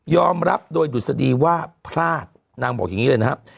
รับโดยดุษฎีว่าพลาดนางบอกอย่างนี้เลยนะครับ